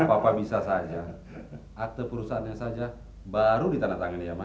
ah papa bisa saja akte perusahaannya saja baru di tanda tangan ya ma